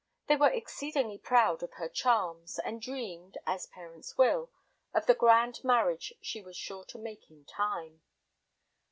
They were exceedingly proud of her charms, and dreamed, as parents will, of the grand marriage she was sure to make in time.